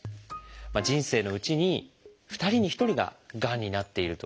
人生のうちに２人に１人ががんになっていると。